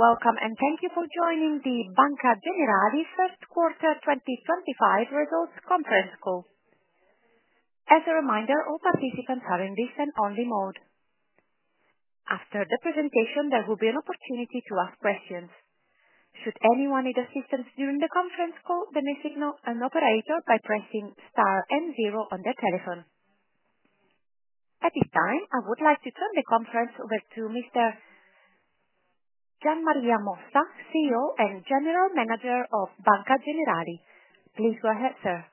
Welcome, and thank you for joining the Banca Generali First Quarter 2025 Results Conference Call. As a reminder, all participants are in listen-only mode. After the presentation, there will be an opportunity to ask questions. Should anyone need assistance during the conference call, they may signal an operator by pressing star and zero on their telephone. At this time, I would like to turn the conference over to Mr. Gian Maria Mossa, CEO and General Manager of Banca Generali. Please go ahead, sir.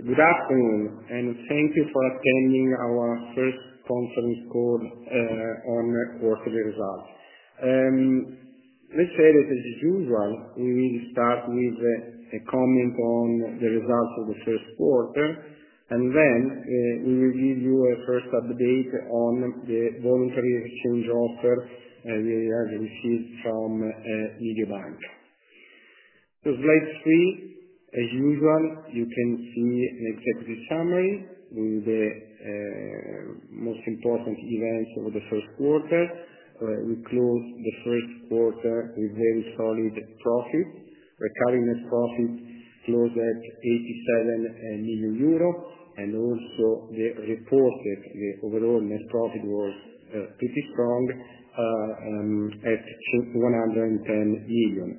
Good afternoon, and thank you for attending our first conference call on quarterly results. Let's say that, as usual, we will start with a comment on the results of the first quarter, and then we will give you a first update on the voluntary exchange offer we have received from Mediobanca. The slide three, as usual, you can see an executive summary with the most important events over the first quarter. We closed the first quarter with very solid profits. Recurring net profit closed at 87 million euros, and also the reported overall net profit was pretty strong at 110 million,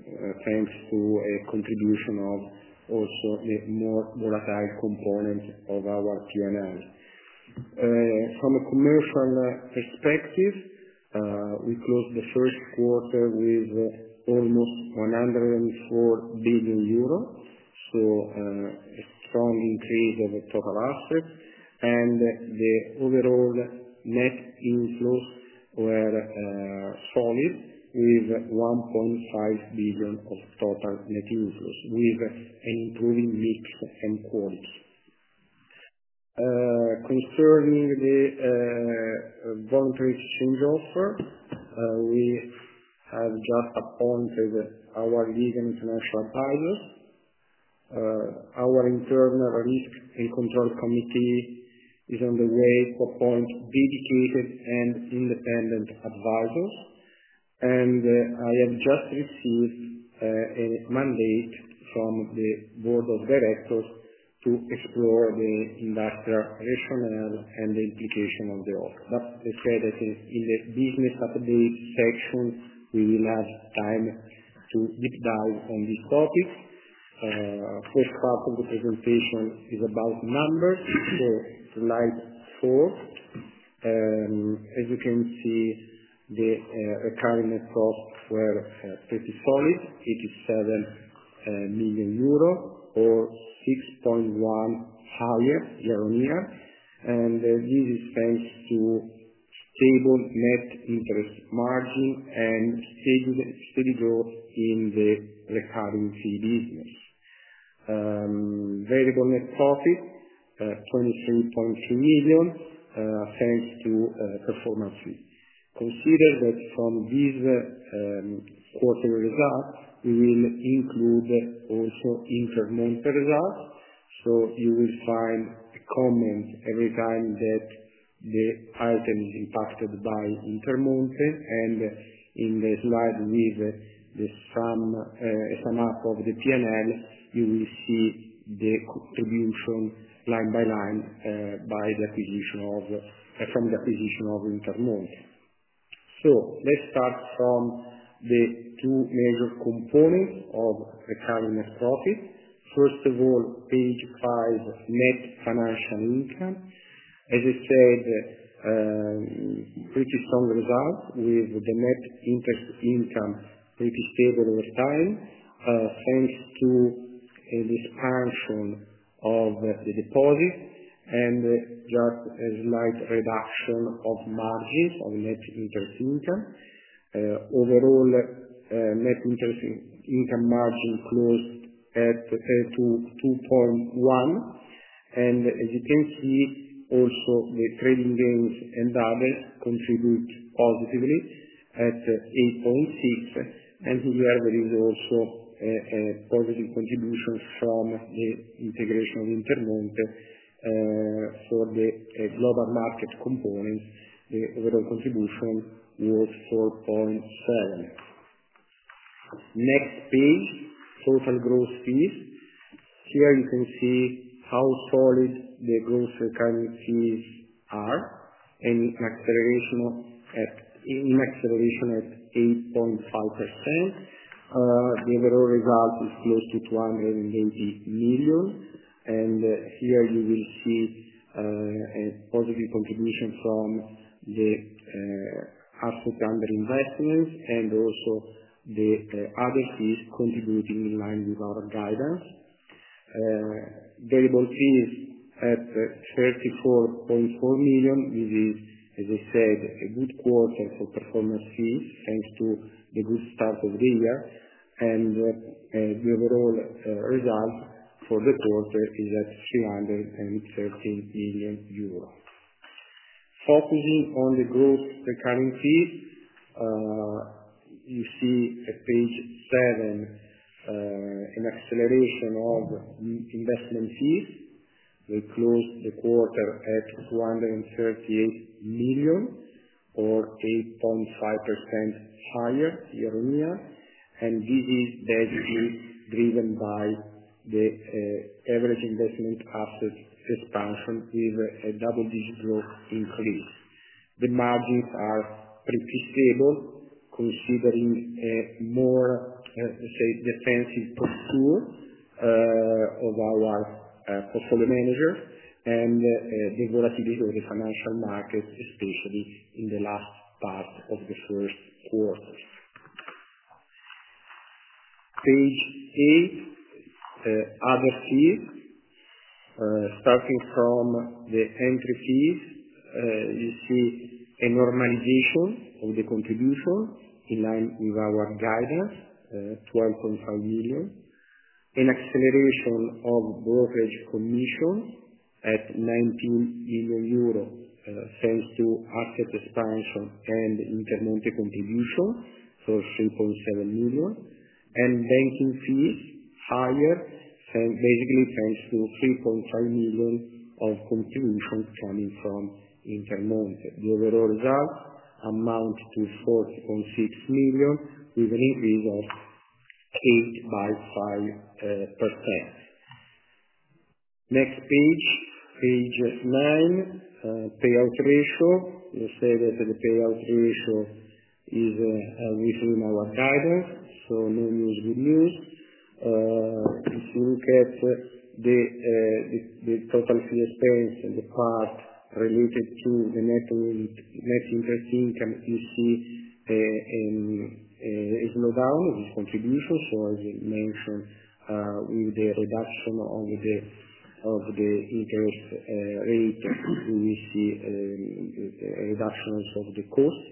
thanks to a contribution of also the more volatile component of our P&L. From a commercial perspective, we closed the first quarter with almost 104 billion euros, so a strong increase of the total assets, and the overall net inflows were solid with 1.5 billion of total net inflows, with an improving mix and quality. Concerning the voluntary exchange offer, we have just appointed our legal international advisors. Our internal risk and control committee is on the way to appoint dedicated and independent advisors, and I have just received a mandate from the board of directors to explore the industrial rationale and the implication of the offer. Let's say that in the business update section, we will have time to deep dive on these topics. The first part of the presentation is about numbers, so slide four. As you can see, the recurring net costs were pretty solid: 87 million euro or 6.1% higher year on year, and this is thanks to stable net interest margin and steady growth in the recurring fee business. Variable net profit: 23.3 million, thanks to performance fees. Consider that from these quarterly results, we will include also Intermonte results, so you will find a comment every time that the item is impacted by Intermonte, and in the slide with the sum up of the P&L, you will see the contribution line by line from the acquisition of Intermonte. Let's start from the two major components of recurring net profit. First of all, page five: net financial income. As I said, pretty strong results with the net interest income pretty stable over time, thanks to the expansion of the deposit and just a slight reduction of margins of net interest income. Overall, net interest income margin closed at 2.1, and as you can see, also the trading gains and others contribute positively at 8.6, and here there is also a positive contribution from the integration of Intermonte for the global market components. The overall contribution was 4.7. Next page, total gross fees. Here you can see how solid the gross recurring fees are, an acceleration at 8.5%. The overall result is close to 280 million, and here you will see a positive contribution from the asset under investments and also the other fees contributing in line with our guidance. Variable fees at 34.4 million, this is, as I said, a good quarter for performance fees, thanks to the good start of the year, and the overall result for the quarter is at 313 million euro. Focusing on the gross recurring fees, you see at page seven an acceleration of investment fees. We closed the quarter at 238 million, or 8.5% higher year on year, and this is basically driven by the average investment asset expansion with a double-digit growth increase. The margins are pretty stable, considering a more, let's say, defensive posture of our portfolio manager and the volatility of the financial markets, especially in the last part of the first quarter. Page eight: other fees. Starting from the entry fees, you see a normalization of the contribution in line with our guidance, 12.5 million, an acceleration of brokerage commissions at 19 million euro, thanks to asset expansion and Intermonte contribution, so 3.7 million, and banking fees higher, basically thanks to 3.5 million of contribution coming from Intermonte. The overall results amount to 4.6 million, with an increase of 8.5%. Next page, Page Nine: Payout Ratio. Let's say that the payout ratio is, as we see in our guidance, so no news, good news. If you look at the total fee expense and the part related to the net interest income, you see a slowdown of these contributions, so as I mentioned, with the reduction of the interest rate, we see reductions of the cost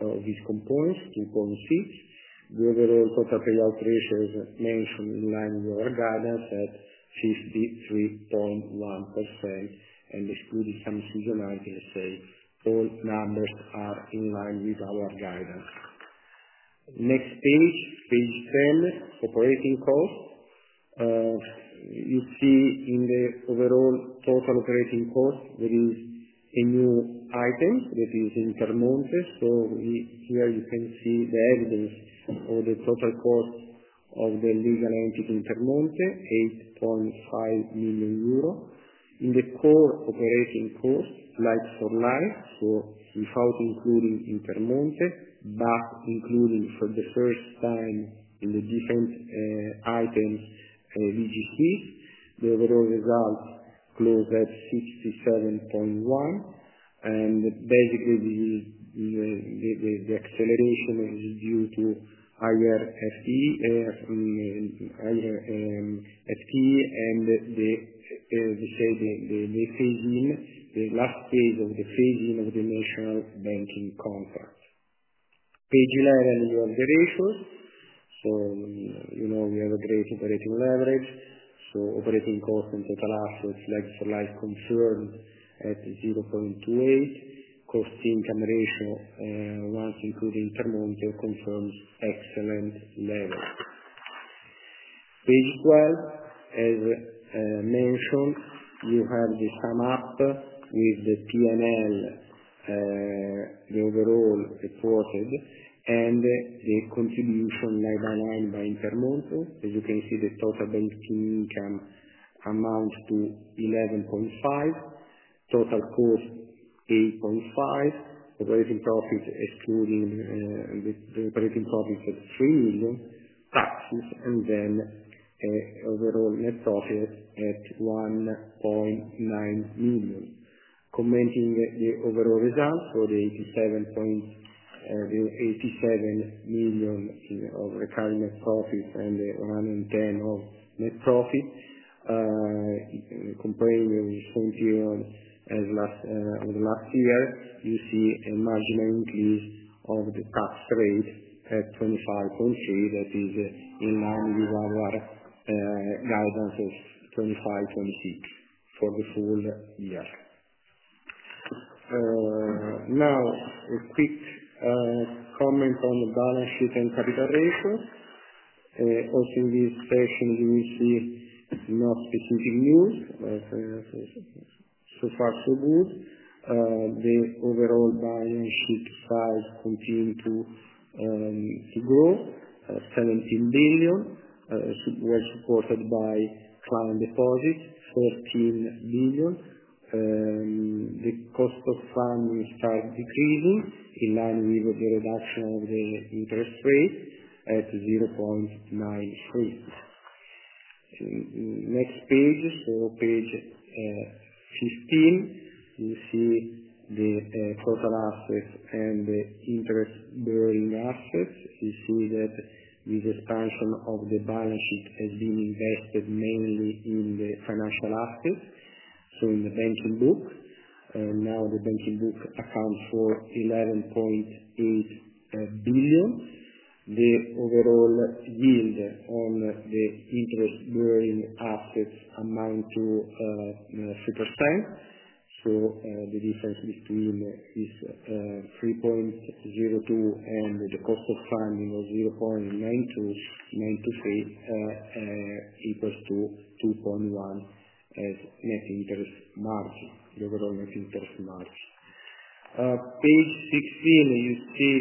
of these components, 2.6. The overall total payout ratio is mentioned in line with our guidance at 53.1%, and excluding some seasonality, let's say, all numbers are in line with our guidance. Next page, page ten: operating costs. You see in the overall total operating cost, there is a new item that is Intermonte, so here you can see the evidence of the total cost of the legal entity Intermonte, 8.5 million euro. In the core operating cost, like for life, so without including Intermonte, but including for the first time in the different items, VGC, the overall result closed at 67.1, and basically the acceleration is due to higher FTE and the phase-in, the last phase of the phase-in of the national banking contract. Page eleven: year-over-year ratios. We have a great operating leverage, so operating cost and total assets, like for life, confirmed at 0.28. Cost-to-income ratio, once including Intermonte, confirms excellent level. Page twelve, as mentioned, you have the sum up with the P&L, the overall reported, and the contribution line by line by Intermonte. As you can see, the total banking income amounts to 11.5 million, total cost 8.5 million, operating profit excluding the operating profit at 3 million, taxes, and then overall net profit at 1.9 million. Commenting the overall results, so the 87 million of recurring net profit and the EUR 110 million of net profit, comparing the same period as over the last year, you see a marginal increase of the tax rate at 25.3%, that is in line with our guidance of 25.6% for the full year. Now, a quick comment on the balance sheet and capital ratio. Also in this section, you will see no specific news. So far, so good. The overall balance sheet size continuing to grow, 17 billion, was supported by client deposits, 13 billion. The cost of funding started decreasing in line with the reduction of the interest rate at 0.93%. Next page, so page fifteen, you see the total assets and the interest-bearing assets. You see that with the expansion of the balance sheet, it has been invested mainly in the financial assets, so in the banking book. Now the banking book accounts for 11.8 billion. The overall yield on the interest-bearing assets amounts to 3%, so the difference between this 3.02 and the cost of funding of 0.92, 923, equals to 2.1 as net interest margin, the overall net interest margin. Page sixteen, you see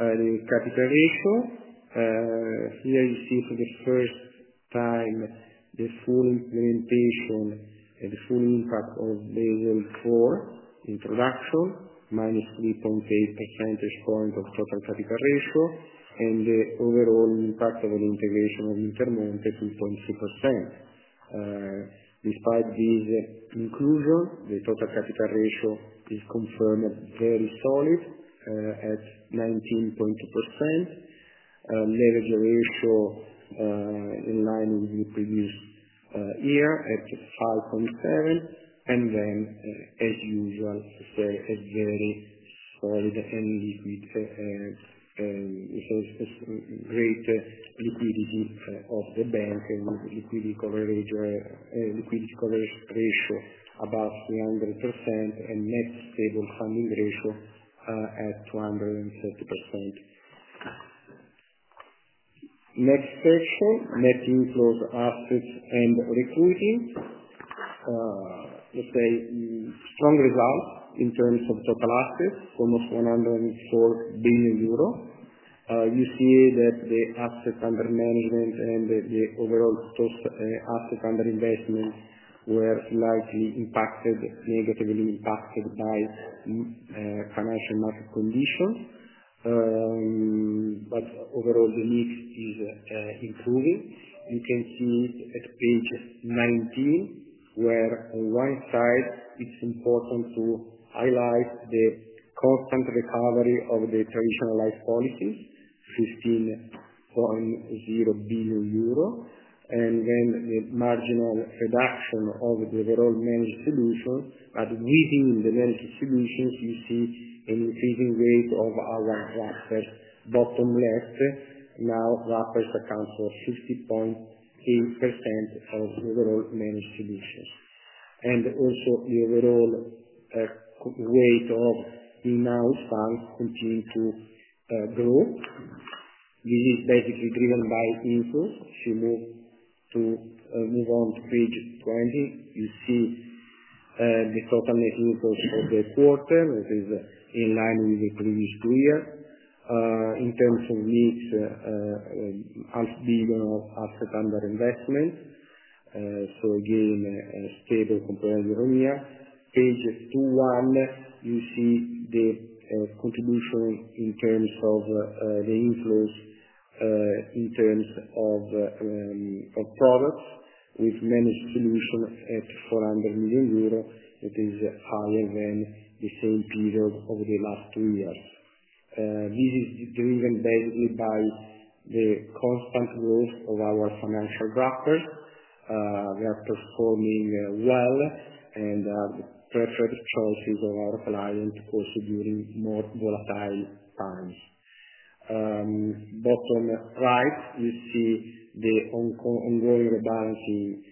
the capital ratio. Here you see for the first time the full implementation and the full impact of level four introduction, minus 3.8 percentage points of total capital ratio, and the overall impact of the integration of Intermonte, 2.3%. Despite these inclusions, the total capital ratio is confirmed very solid at 19.2%, leverage ratio in line with the previous year at 5.7, and then, as usual, let's say, a very solid and liquid, let's say, great liquidity of the bank with liquidity coverage ratio above 300% and net stable funding ratio at 230%. Next section: net inflows of assets and recruiting. Let's say, strong results in terms of total assets, almost 104 billion euro. You see that the asset under management and the overall total asset under investments were slightly impacted, negatively impacted by financial market conditions, but overall the mix is improving. You can see at page nineteen where, on one side, it's important to highlight the constant recovery of the traditional life policies, 15.0 billion euro, and then the marginal reduction of the overall managed solutions, but within the managed solutions, you see an increasing weight of our wrappers. Bottom left, now wrappers account for 50.8% of overall managed solutions. Also, the overall weight of in-house funds continuing to grow. This is basically driven by inflows. If you move on to page 20, you see the total net inflows for the quarter, that is in line with the previous two years, in terms of mix: EUR 500 million of asset under investments, so again stable compared with one year. Page 21, you see the contribution in terms of the inflows in terms of products with managed solutions at 400,000,000 euro, that is higher than the same period over the last two years. This is driven basically by the constant growth of our financial wrappers. They are performing well and are the preferred choices of our clients also during more volatile times. Bottom right, you see the ongoing rebalancing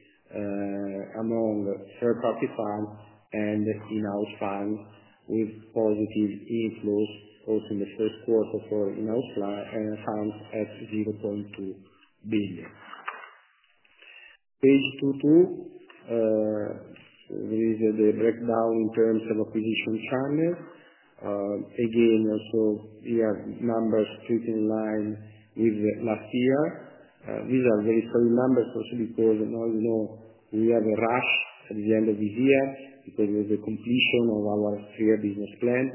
among third-party funds and in-house funds with positive inflows, also in the first quarter for in-house funds at 200,000,000. Page 22, there is the breakdown in terms of acquisition channels. Again, we have numbers strictly in line with last year. These are very solid numbers also because we have a rush at the end of the year because of the completion of our three-year business plan.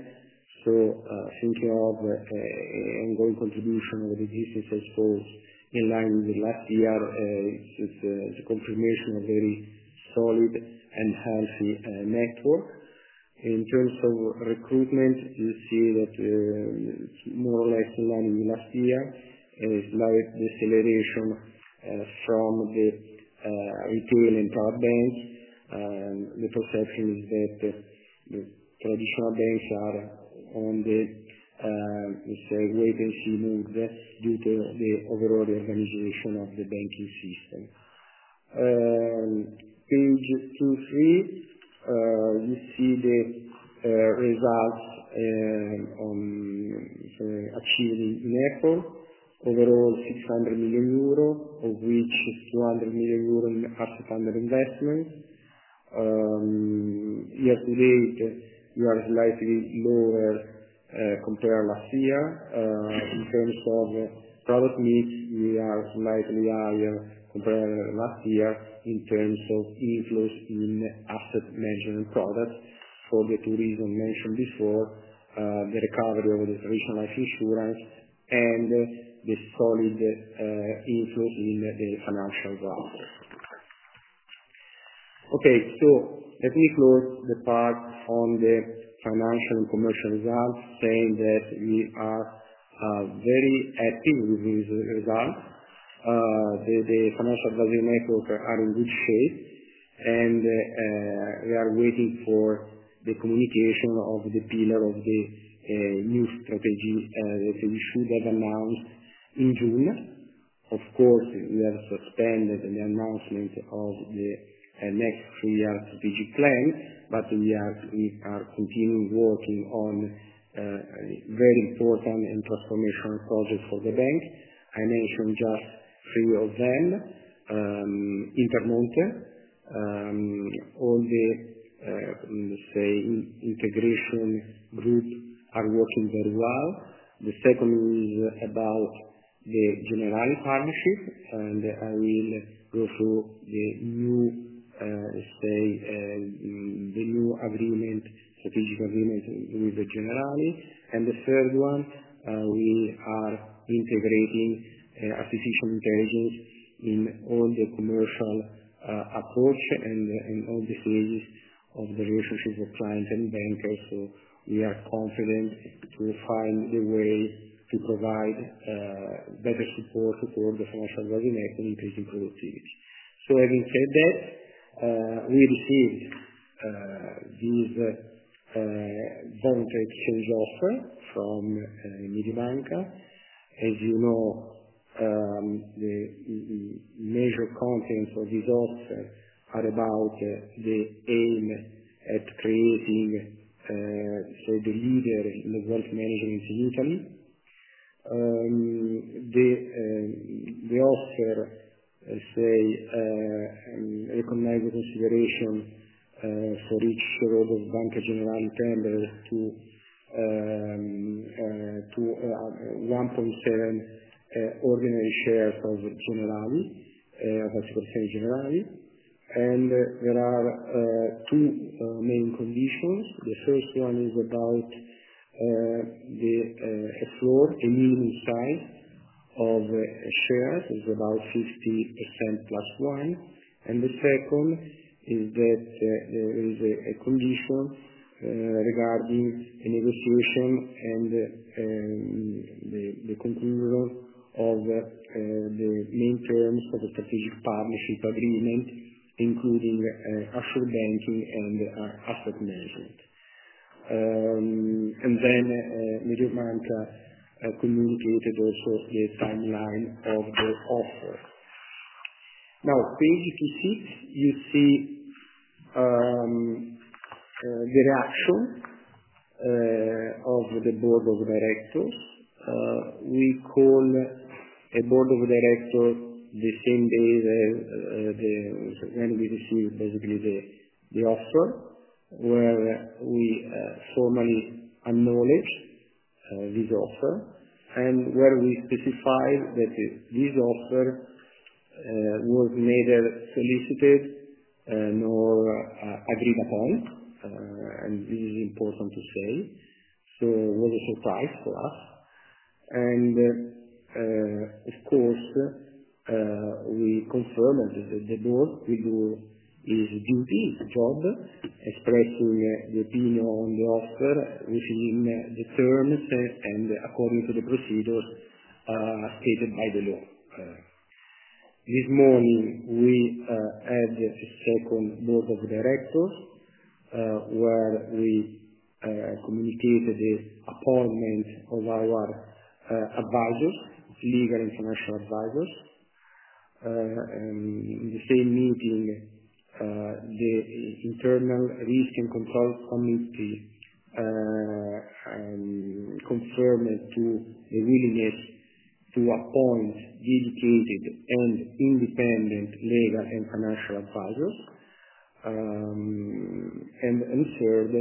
Thinking of ongoing contribution of existing sales force in line with last year, it is a confirmation of a very solid and healthy network. In terms of recruitment, you see that it is more or less in line with last year. There is a slight deceleration from the retail and card banks. The perception is that the traditional banks are in the, let's say, wait-and-see mode due to the overall reorganization of the banking system. Page 23, you see the results on achieving net worth. Overall, 600 million euro, of which 200 million euro in asset under investments. Year-to-date, we are slightly lower compared to last year. In terms of product mix, we are slightly higher compared to last year in terms of inflows in asset management products for the two reasons mentioned before: the recovery of the traditional life insurance and the solid inflows in the financial wrappers. Okay, let me close the part on the financial and commercial results, saying that we are very happy with these results. The financial advisory network are in good shape, and we are waiting for the communication of the pillar of the new strategy that we should have announced in June. Of course, we have suspended the announcement of the next three-year strategic plan, but we are continuing working on very important and transformational projects for the bank. I mentioned just three of them: Intermonte, all the, let's say, integration groups are working very well. The second is about the Generali partnership, and I will go through the new, let's say, the new agreement, strategic agreement with the Generali. The third one, we are integrating artificial intelligence in all the commercial approach and all the phases of the relationship with clients and bankers, so we are confident to find a way to provide better support for the financial advisory net and increasing productivity. Having said that, we received this voluntary exchange offer from Mediobanca. As you know, the major contents of this offer are about the aim at creating, let's say, the leader in the wealth management in Italy. The offer, let's say, recognizes the consideration for each shareholder of Banca Generali tender to 1.7 ordinary shares of Generali, 50% Generali. There are two main conditions. The first one is about the floor, a minimum size of shares, is about 50% plus one. The second is that there is a condition regarding the negotiation and the conclusion of the main terms of the strategic partnership agreement, including asset banking and asset management. Mediobanca communicated also the timeline of the offer. Now, page sixteen, you see the reaction of the board of directors. We call a board of directors the same day when we receive basically the offer, where we formally acknowledge this offer and where we specify that this offer was neither solicited nor agreed upon. This is important to say, so it was a surprise for us. Of course, we confirm that the board will do its duty, its job, expressing the opinion on the offer within the terms and according to the procedures stated by the law. This morning, we had a second board of directors where we communicated the appointment of our advisors, legal and financial advisors. In the same meeting, the internal risk and control committee confirmed the willingness to appoint dedicated and independent legal and financial advisors. Third,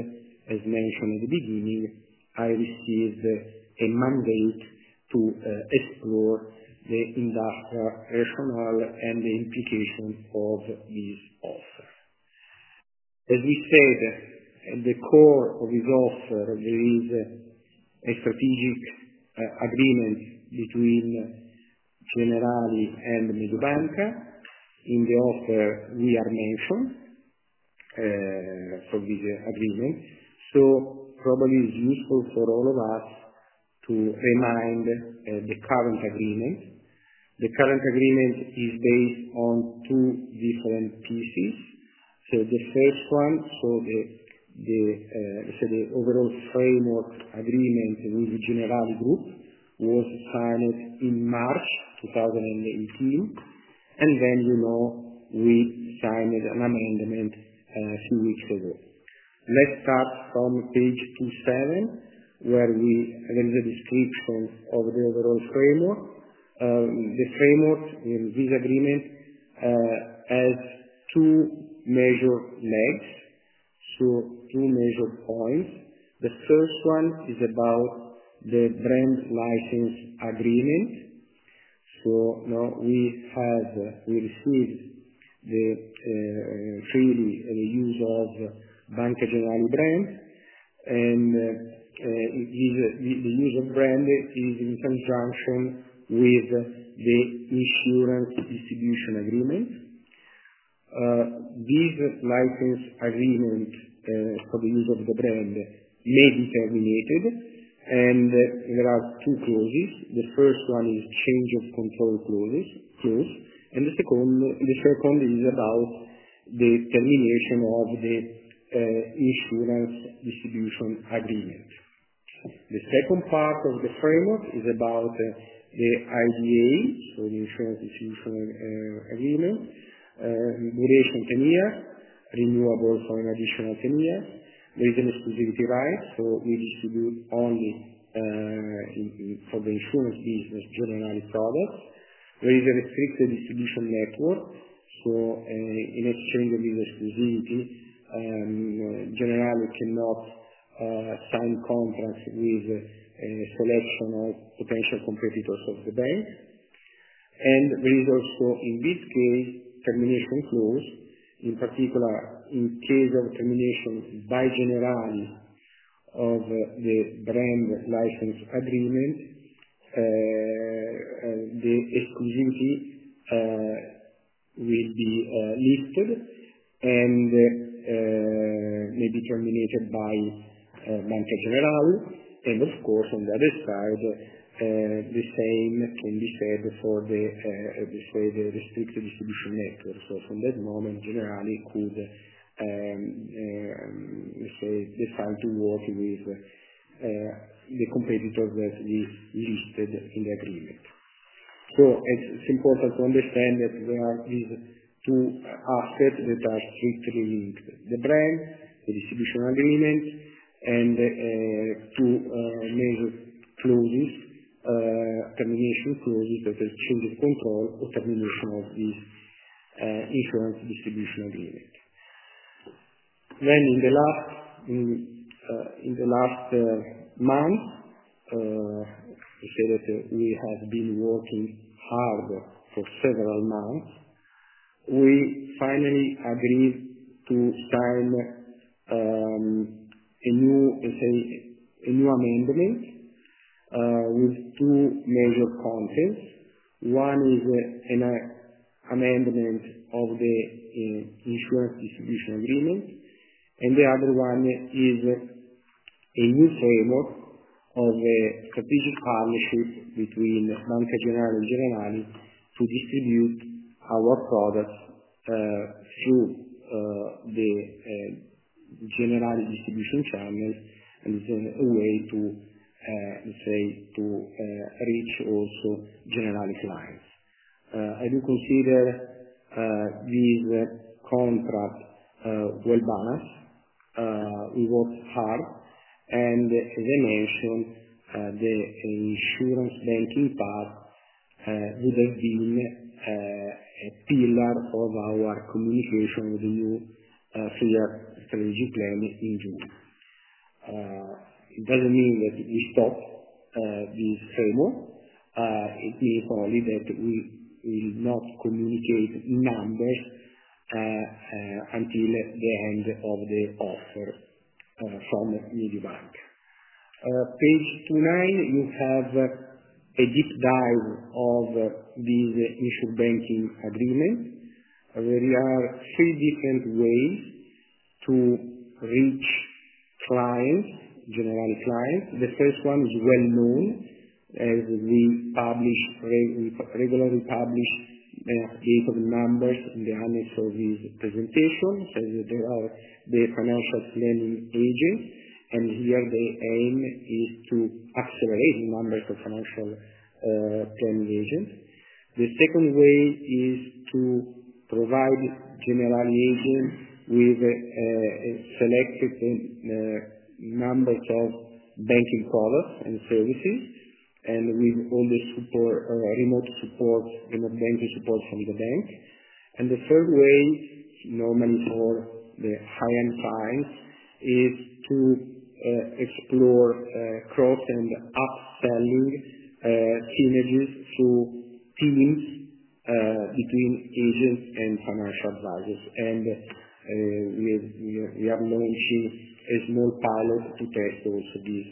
as mentioned at the beginning, I received a mandate to explore the industrial rationale and the implications of this offer. As we said, at the core of this offer, there is a strategic agreement between Generali and Mediobanca. In the offer, we are mentioned from this agreement, so probably it's useful for all of us to remind the current agreement. The current agreement is based on two different pieces. The first one, the overall framework agreement with the Generali Group, was signed in March 2018, and then we signed an amendment a few weeks ago. Let's start from page two-seven, where we have a description of the overall framework. The framework in this agreement has two major legs, so two major points. The first one is about the brand license agreement. Now we have received the freely use of Banca Generali brand, and the use of brand is in conjunction with the insurance distribution agreement. This license agreement for the use of the brand may be terminated, and there are two clauses. The first one is change of control clause, and the second is about the termination of the insurance distribution agreement. The second part of the framework is about the IDA, so the insurance distribution agreement, duration ten years, renewable for an additional ten years. There is an exclusivity right, so we distribute only for the insurance business Generali products. There is a restricted distribution network, so in exchange for this exclusivity, Generali cannot sign contracts with a selection of potential competitors of the bank. There is also, in this case, a termination clause. In particular, in case of termination by Generali of the brand license agreement, the exclusivity will be lifted and may be terminated by Banca Generali. Of course, on the other side, the same can be said for the restricted distribution network. From that moment, Generali could, let's say, decide to work with the competitors that we listed in the agreement. It is important to understand that there are these two aspects that are strictly linked: the brand, the distribution agreement, and two major clauses, termination clauses that are change of control or termination of this insurance distribution agreement. In the last months, let's say that we have been working hard for several months, we finally agreed to sign a new amendment with two major contents. One is an amendment of the insurance distribution agreement, and the other one is a new framework of strategic partnership between Banca Generali and Generali to distribute our products through the Generali distribution channels and a way to, let's say, to reach also Generali clients. I do consider this contract well balanced. We worked hard, and as I mentioned, the insurance banking part would have been a pillar of our communication with the new three-year strategic plan in June. It does not mean that we stopped this framework. It means only that we will not communicate numbers until the end of the offer from Mediobanca. Page 29, you have a deep dive of this insurance banking agreement. There are three different ways to reach clients, Generali clients. The first one is well known as we regularly publish data numbers in the annex of this presentation, so there are the financial planning agents, and here the aim is to accelerate the numbers of financial planning agents. The second way is to provide Generali agents with selected numbers of banking products and services and with all the remote support, remote banking support from the bank. The third way, normally for the high-end clients, is to explore cross and upselling synergies through teams between agents and financial advisors. We are launching a small pilot to test also this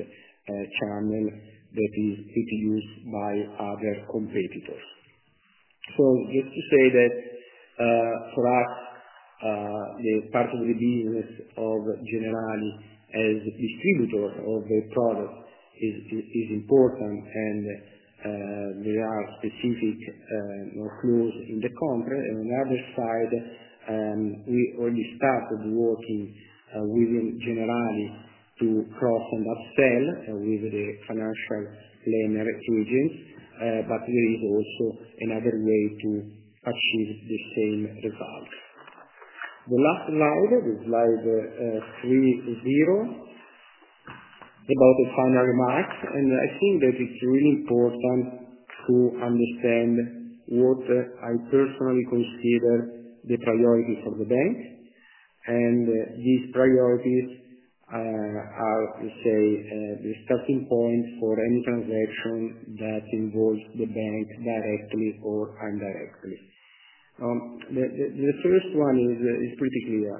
channel that is being used by other competitors. Just to say that for us, the part of the business of Generali as distributor of the product is important, and there are specific clauses in the contract. On the other side, we already started working within Generali to cross and upsell with the financial planner agents, but there is also another way to achieve the same result. The last slide, the slide three-zero, is about the final remarks, and I think that it's really important to understand what I personally consider the priorities of the bank. These priorities are, let's say, the starting point for any transaction that involves the bank directly or indirectly. The first one is pretty clear.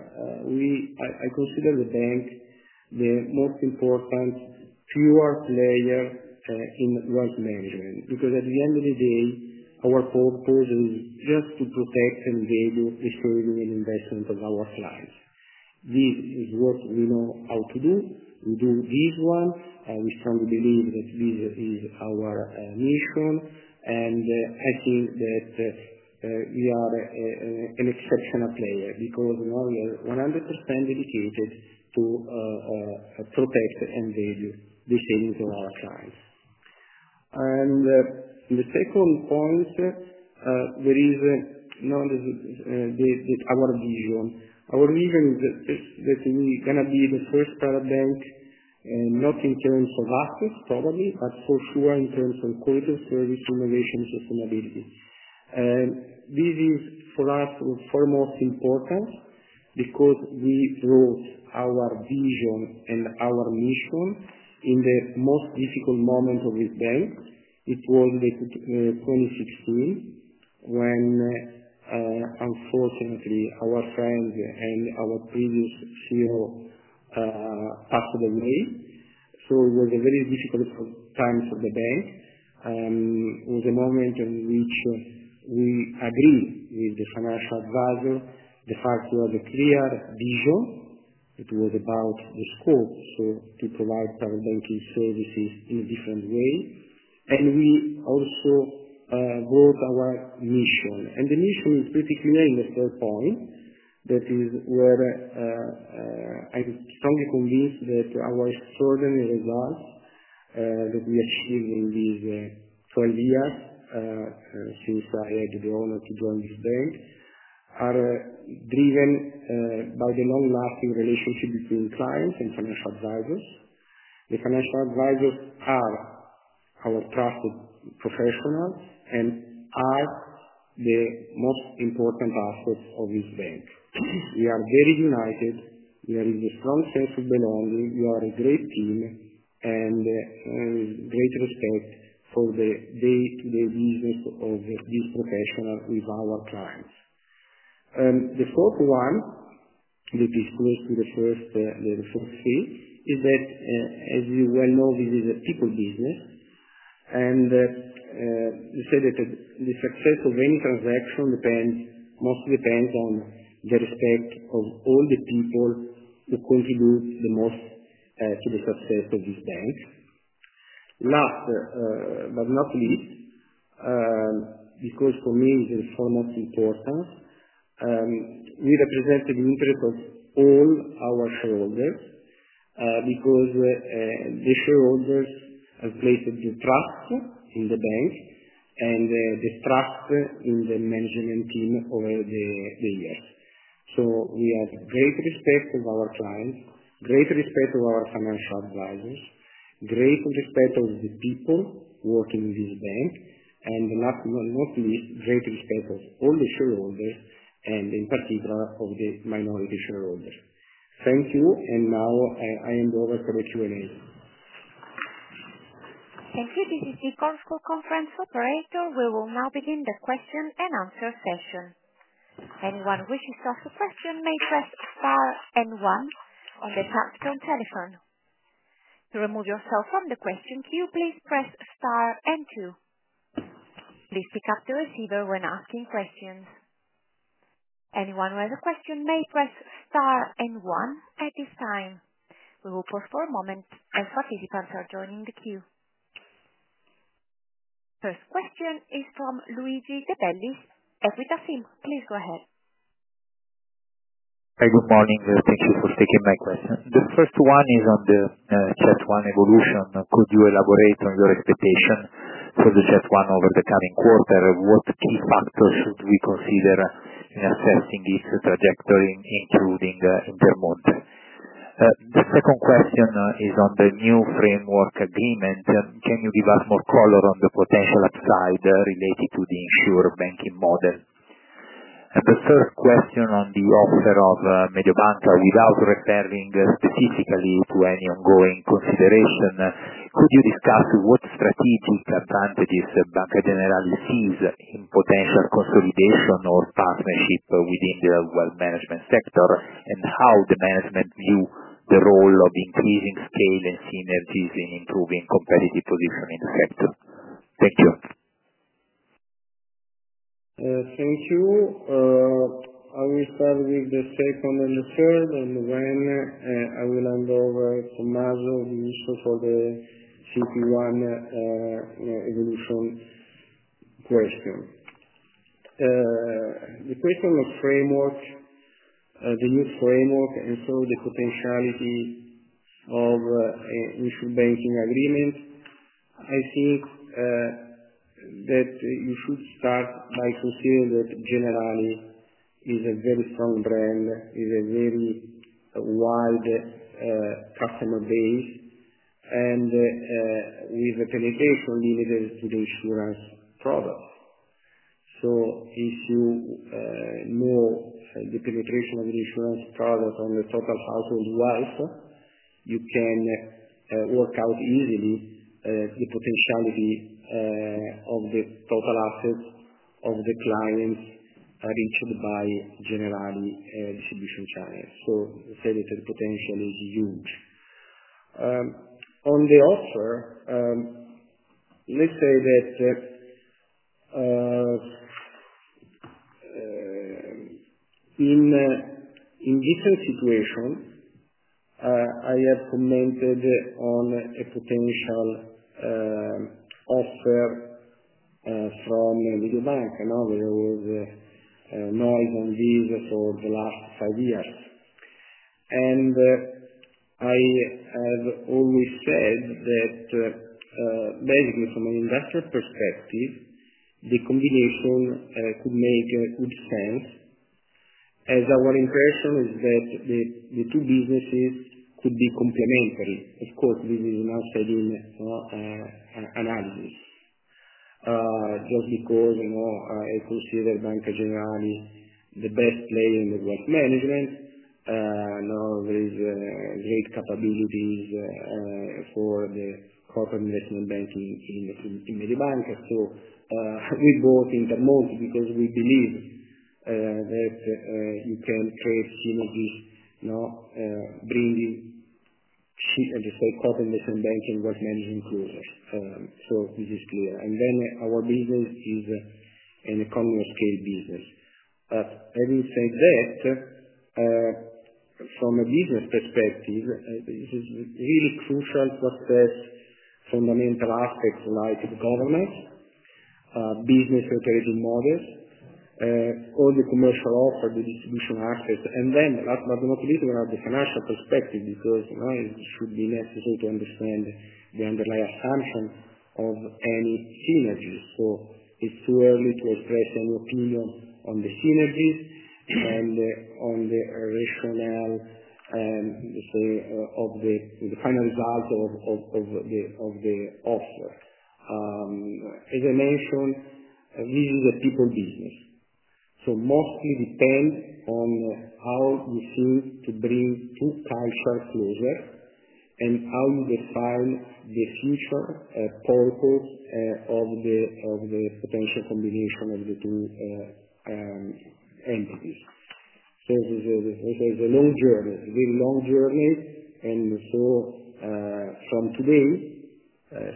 I consider the bank the most important pure player in wealth management because at the end of the day, our purpose is just to protect and enable the saving and investment of our clients. This is what we know how to do. We do this one. We strongly believe that this is our mission, and I think that we are an exceptional player because we are 100% dedicated to protect and enable the savings of our clients. The second point, there is our vision. Our vision is that we're going to be the first private bank, not in terms of assets probably, but for sure in terms of quality of service, innovation, and sustainability. This is for us far most important because we wrote our vision and our mission in the most difficult moment of this bank. It was 2016 when, unfortunately, our friend and our previous CEO passed away. It was a very difficult time for the bank. It was a moment in which we agreed with the financial advisor the fact we had a clear vision. It was about the scope, to provide private banking services in a different way. We also wrote our mission. The mission is pretty clear in the third point, that is where I'm strongly convinced that our extraordinary results that we achieved in these 12 years since I had the honor to join this bank are driven by the long-lasting relationship between clients and financial advisors. The financial advisors are our trusted professionals and are the most important assets of this bank. We are very united. There is a strong sense of belonging. We are a great team and have great respect for the day-to-day business of this professional with our clients. The fourth one, which is close to the first three, is that, as you well know, this is a people business, and we say that the success of any transaction mostly depends on the respect of all the people who contribute the most to the success of this bank. Last but not least, because for me it is far most important, we represent the interest of all our shareholders because the shareholders have placed their trust in the bank and their trust in the management team over the years. We have great respect of our clients, great respect of our financial advisors, great respect of the people working in this bank, and last but not least, great respect of all the shareholders and in particular of the minority shareholders. Thank you, and now I hand over for the Q&A. Thank you. This is the call for conference operator. We will now begin the question and answer session. Anyone wishing to ask a question may press star and one on the touchscreen telephone. To remove yourself from the question queue, please press star and two. Please pick up the receiver when asking questions. Anyone who has a question may press star and one at this time. We will pause for a moment as participants are joining the queue. First question is from Luigi Deverlini, Equita SIM, please go ahead. Hi, good morning. Thank you for taking my question. The first one is on the chapter one evolution. Could you elaborate on your expectation for the chapter one over the coming quarter? What key factors should we consider in assessing its trajectory, including Intermonte? The second question is on the new framework agreement. Can you give us more color on the potential upside related to the insurer banking model? The third question on the offer of Mediobanca, without referring specifically to any ongoing consideration, could you discuss what strategic advantages Banca Generali sees in potential consolidation or partnership within the wealth management sector, and how the management views the role of increasing scale and synergies in improving competitive position in the sector? Thank you. Thank you. I will start with the second and the third, and then I will hand over to Tommaso Russo for the CP1 evolution question. The question of the new framework and so the potentiality of insurer banking agreement, I think that you should start by considering that Generali is a very strong brand, is a very wide customer base, and with the penetration limited to the insurance products. If you know the penetration of the insurance product on the total household wealth, you can work out easily the potentiality of the total assets of the clients reached by Generali distribution channels. Let's say that the potential is huge. On the offer, let's say that in this situation, I have commented on a potential offer from Mediobanca. There was noise on this for the last five years. I have always said that, basically, from an investor perspective, the combination could make good sense, as our impression is that the two businesses could be complementary. Of course, this is in our saving analysis. Just because I consider Banca Generali the best player in wealth management, there is great capabilities for the corporate investment banking in Mediobanca. We bought Intermonte because we believe that you can create synergies bringing corporate investment banking and wealth management closer. This is clear. Our business is an economy of scale business. Having said that, from a business perspective, this is really crucial for certain fundamental aspects like governance, business operating models, all the commercial offer, the distribution assets. Last but not least, we have the financial perspective because it should be necessary to understand the underlying assumption of any synergies. It's too early to express any opinion on the synergies and on the rationale of the final result of the offer. As I mentioned, this is a people business. It mostly depends on how you seem to bring two cultures closer and how you define the future purpose of the potential combination of the two entities. It's a long journey, a very long journey. From today,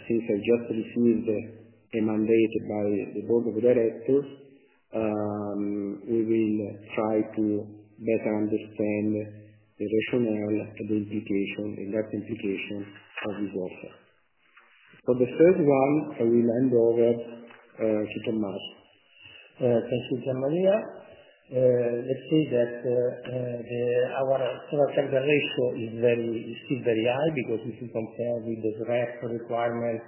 since I just received a mandate by the board of directors, we will try to better understand the rationale and the implication and that implication of this offer. For the third one, I will hand over to Tommaso. Thank you, Deverl Maserang. Let's say that our total capital ratio is still very high because if you compare with the REF requirement,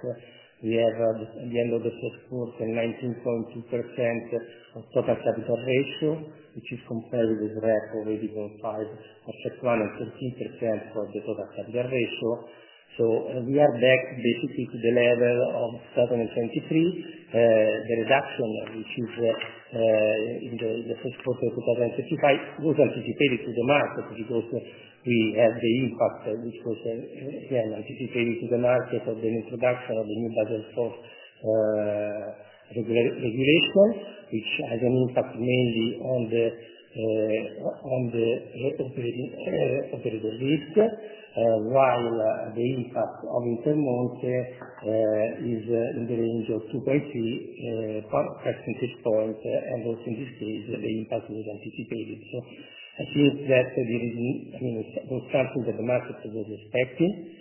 we have at the end of the first quarter 19.2% of total capital ratio, which is compared with the REF already going five or chapter one and 13% for the total capital ratio. We are back basically to the level of 2023. The reduction, which is in the first quarter of 2025, was anticipated to the market because we had the impact, which was, again, anticipated to the market of the introduction of the new budget regulation, which has an impact mainly on the operator risk, while the impact of Intermonte is in the range of 2.3 percentage points. Also in this case, the impact was anticipated. I think that we're starting with the market that was expecting.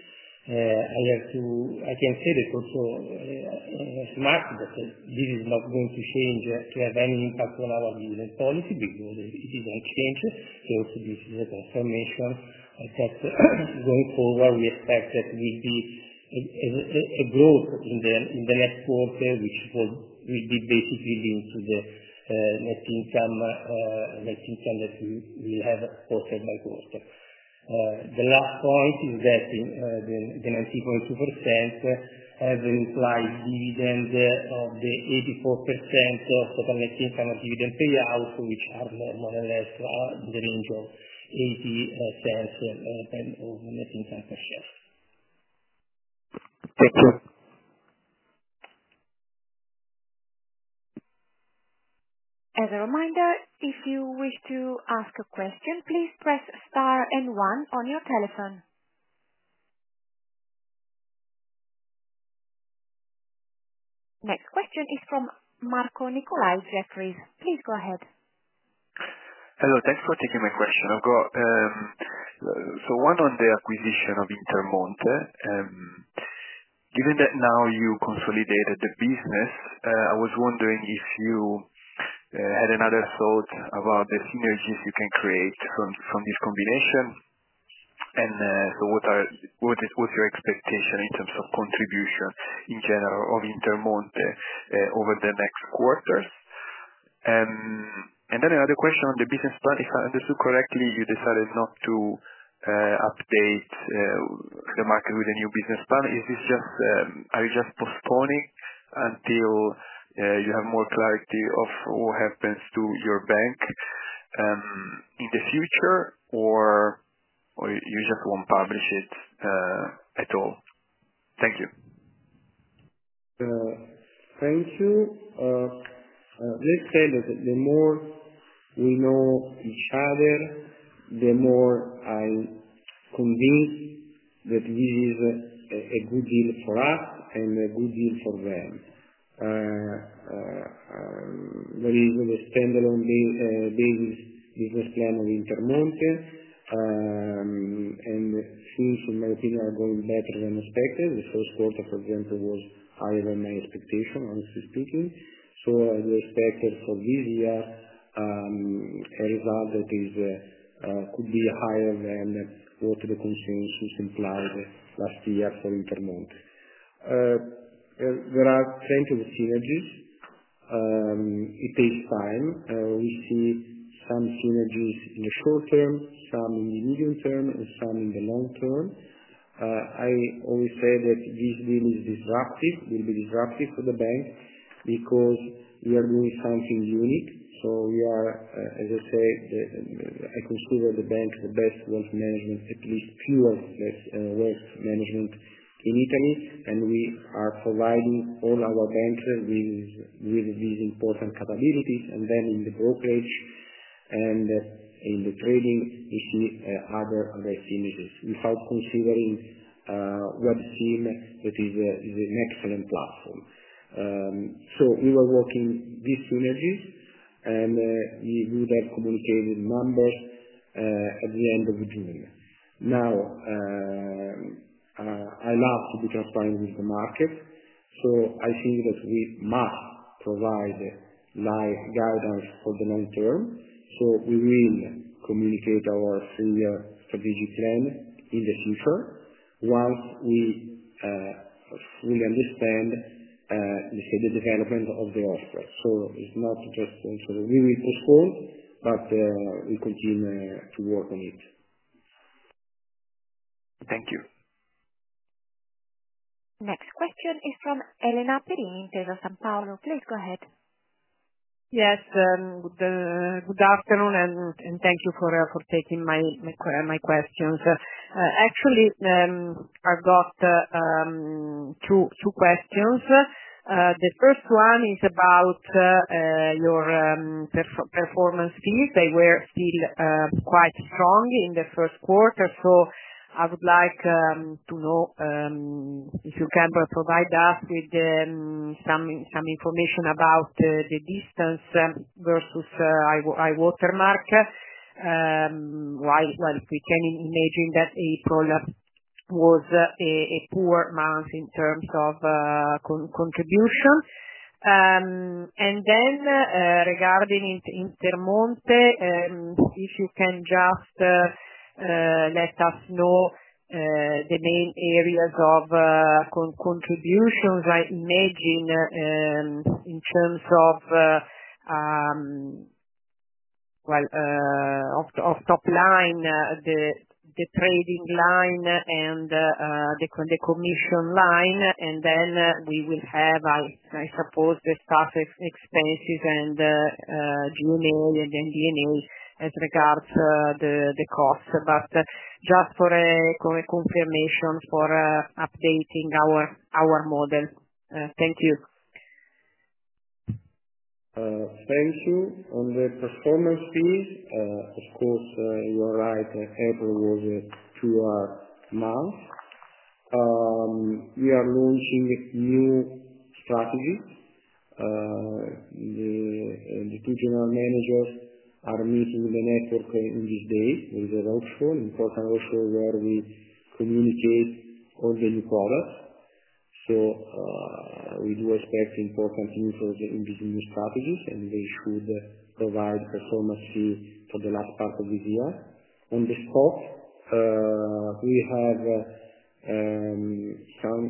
I can say that also as a market that this is not going to change to have any impact on our business policy because it is unchanged. This is a confirmation that going forward, we expect that we'll be a growth in the next quarter, which will be basically linked to the net income that we will have quarter by quarter. The last point is that the 90.2% has an implied dividend of the 84% of total net income of dividend payout, which are more or less in the range of EUR 0.80 of net income per share. Thank you. As a reminder, if you wish to ask a question, please press star and one on your telephone. Next question is from Marco Nicolai, Jefferies, please go ahead. Hello. Thanks for taking my question. One on the acquisition of Intermonte. Given that now you consolidated the business, I was wondering if you had another thought about the synergies you can create from this combination. What's your expectation in terms of contribution in general of Intermonte over the next quarters? Another question on the business plan. If I understood correctly, you decided not to update the market with a new business plan. Are you just postponing until you have more clarity of what happens to your bank in the future, or you just won't publish it at all? Thank you. Thank you. Let's say that the more we know each other, the more I'm convinced that this is a good deal for us and a good deal for them. There is a standalone business plan of Intermonte, and things, in my opinion, are going better than expected. The first quarter, for example, was higher than my expectation, honestly speaking. The expected for this year, a result that could be higher than what the consensus implied last year for Intermonte. There are plenty of synergies. It takes time. We see some synergies in the short term, some in the medium term, and some in the long term. I always say that this deal will be disruptive for the bank because we are doing something unique. We are, as I say, I consider the bank the best wealth management, at least pure wealth management in Italy, and we are providing all our bankers with these important capabilities. In the brokerage and in the trading, we see other synergies without considering WebSIM, that is an excellent platform. We were working these synergies, and we would have communicated numbers at the end of June. I love to be transparent with the market, so I think that we must provide guidance for the long term. We will communicate our three-year strategic plan in the future once we fully understand, let's say, the development of the offer. It's not just we will postpone, but we continue to work on it. Thank you. Next question is from Elena Perini, Intesa Sanpaolo. Please go ahead. Yes. Good afternoon, and thank you for taking my questions. Actually, I've got two questions. The first one is about your performance fees. They were still quite strong in the first quarter. I would like to know if you can provide us with some information about the distance versus high watermark, while we can imagine that April was a poor month in terms of contribution. Regarding Intermonte, if you can just let us know the main areas of contributions. I imagine in terms of, well, of top line, the trading line and the commission line. I suppose we will have the staff expenses and G&A and then D&A as regards the costs. Just for a confirmation for updating our model. Thank you. Thank you. On the performance fees, of course, you're right, April was a two-hour month. We are launching new strategies. The two general managers are meeting with the network in this day. There is an important workshop where we communicate all the new products. We do expect important infos in these new strategies, and they should provide performance fee for the last part of this year. On the stock, we have some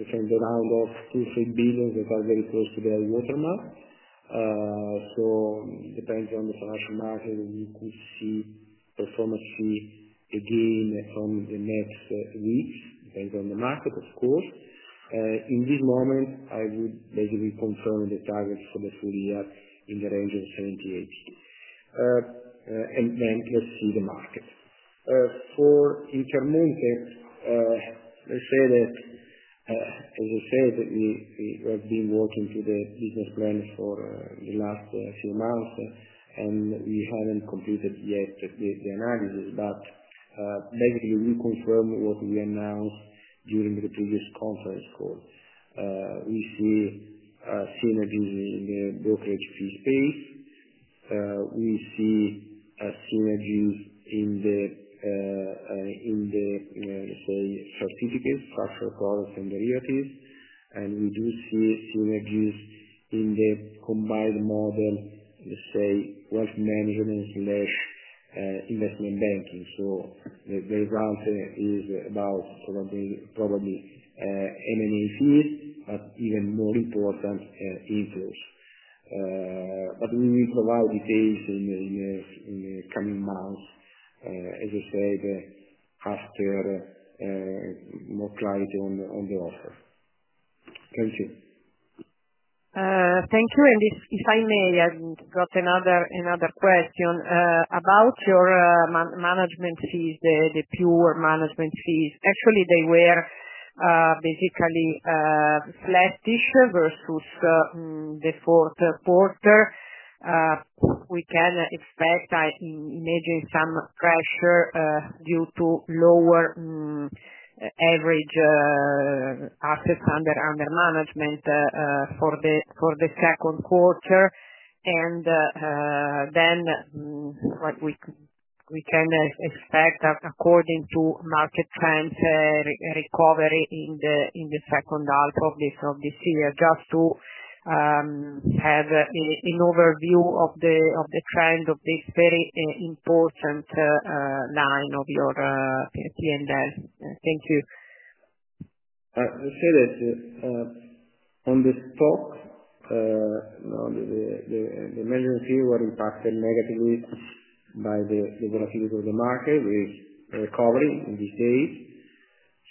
around €2 billion-€3 billion that are very close to the high watermark. Depending on the financial market, we could see performance fee again from the next weeks, depending on the market, of course. In this moment, I would basically confirm the target for the full year in the range of €78. Let's see the market. For Intermonte, let's say that, as I said, we have been working to the business plan for the last few months, and we haven't completed yet the analysis. Basically, we confirm what we announced during the previous conference call. We see synergies in the brokerage fee space. We see synergies in the, let's say, certificates, structured products, and derivatives. We do see synergies in the combined model, let's say, wealth management/investment banking. The result is about probably M&A fees, but even more important infos. We will provide details in the coming months, as I said, after more clarity on the offer. Thank you. Thank you. If I may, I've got another question about your management fees, the pure management fees. Actually, they were basically flattish versus the fourth quarter. We can expect, I imagine, some pressure due to lower average assets under management for the second quarter. We can expect, according to market trends, a recovery in the second half of this year just to have an overview of the trend of this very important line of your P&L. Thank you. I'll say that on the stock, the management fee were impacted negatively by the volatility of the market with recovery in these days.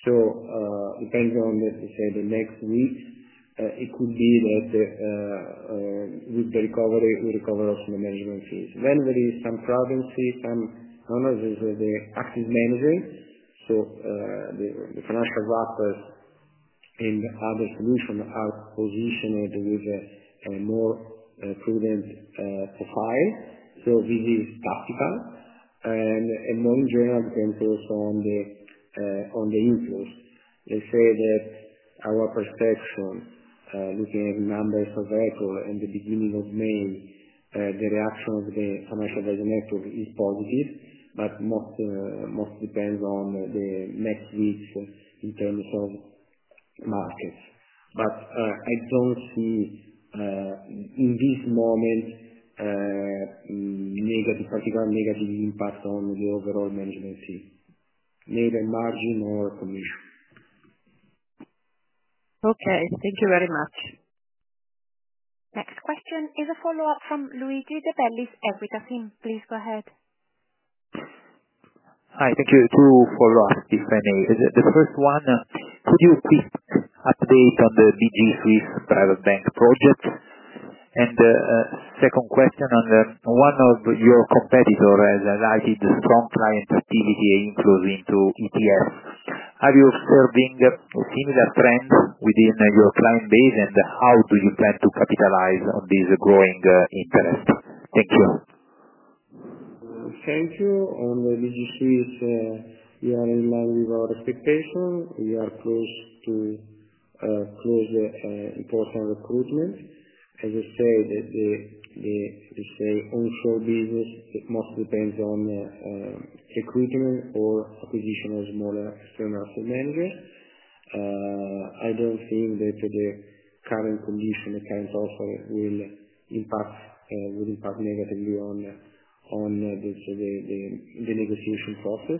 Depending on, let's say, the next week, it could be that with the recovery, we recover also the management fees. There is some privacy, some active managing. The financial wrappers and other solutions are positioned with a more prudent profile. This is tactical. More in general, depends also on the infos. Let's say that our perception, looking at numbers of record in the beginning of May, the reaction of the financial data network is positive, but most depends on the next weeks in terms of markets. I don't see in this moment any particular negative impact on the overall management fee, neither margin nor commission. Okay. Thank you very much. Next question is a follow-up from Luigi Deverlini, Equita SIM. Please go ahead. Hi. Thank you. Two follow-ups, if I may. The first one, could you quick update on the BG Swiss private bank project? The second question, one of your competitors has highlighted strong client activity and inflows into ETFs. Are you observing a similar trend within your client base, and how do you plan to capitalize on this growing interest? Thank you. Thank you. On the BG Swiss, we are in line with our expectations. We are close to close important recruitment. As I said, the onshore business mostly depends on recruitment or acquisition of smaller external asset managers. I do not think that the current condition, the current offer, will impact negatively on the negotiation process.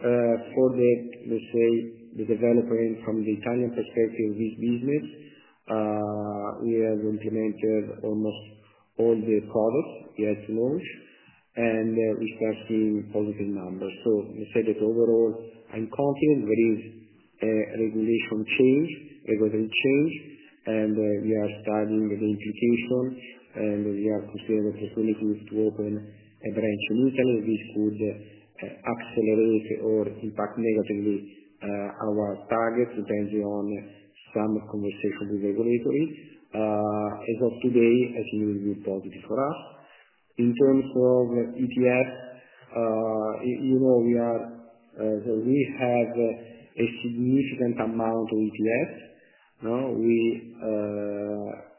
For the, let's say, the development from the Italian perspective of this business, we have implemented almost all the products we had to launch, and we start seeing positive numbers. Let's say that overall, I'm confident there is a regulation change, regulatory change, and we are studying the implication. We are considering the possibility to open a branch in Italy. This could accelerate or impact negatively our targets depending on some conversation with regulatory. As of today, I think it will be positive for us. In terms of ETFs, we have a significant amount of ETFs. We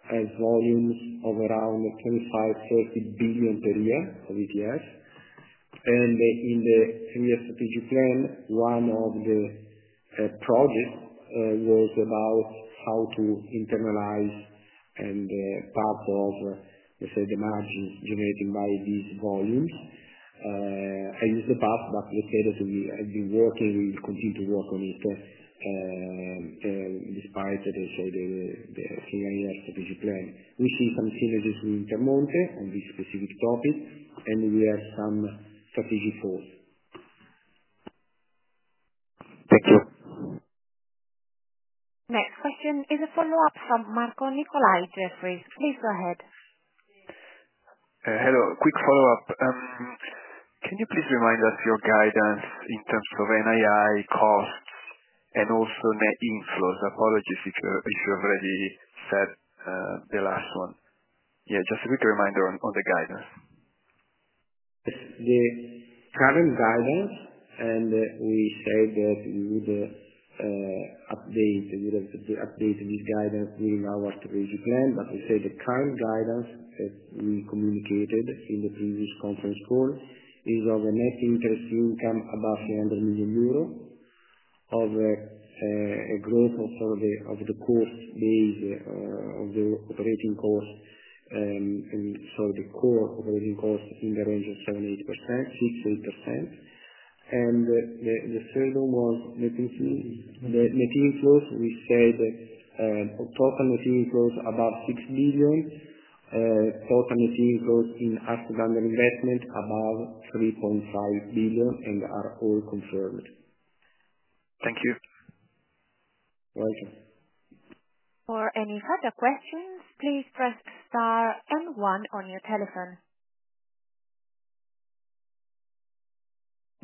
have volumes of around EUR 25 billion-EUR 30 billion per year of ETFs. In the three-year strategic plan, one of the projects was about how to internalize and part of, let's say, the margins generated by these volumes. I used the past, but let's say that we have been working, we will continue to work on it despite, let's say, the three-year strategic plan. We see some synergies with Intermonte on this specific topic, and we have some strategic goals. Thank you. Next question is a follow-up from Marco Nicolai, Jefferies. Please go ahead. Hello. Quick follow-up. Can you please remind us your guidance in terms of NII costs and also net inflows? Apologies if you've already said the last one. Yeah, just a quick reminder on the guidance. The current guidance, and we said that we would update this guidance during our strategic plan. Let's say the current guidance that we communicated in the previous conference call is of a net interest income above 300 million euro, of a growth of the operating cost, sorry, the core operating cost in the range of 6-8%. The third one was net inflows. We said total net inflows above 6 billion, total net inflows in asset under investment above 3.5 billion, and they are all confirmed. Thank you. You're welcome. For any further questions, please press star and one on your telephone.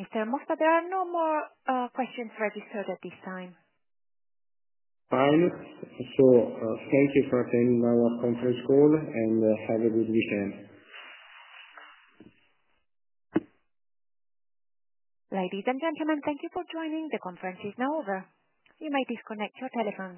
Mr. Mossa, there are no more questions registered at this time. Fine. Thank you for attending our conference call, and have a good weekend. Ladies and gentlemen, thank you for joining. The conference is now over. You may disconnect your telephone.